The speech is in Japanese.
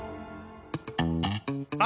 あ！